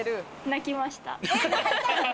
泣きました。